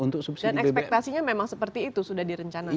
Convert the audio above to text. dan ekspektasinya memang seperti itu sudah direncanakan